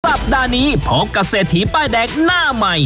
สัปดาห์นี้พบกับเศรษฐีป้ายแดงหน้าใหม่